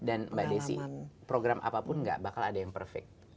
dan mbak desy program apapun enggak bakal ada yang perfect